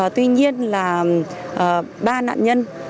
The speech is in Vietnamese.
tuy nhiên là ba nạn nhân